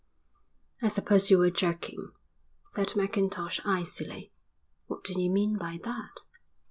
"I suppose you were joking," said Mackintosh icily. "What do you mean by that?"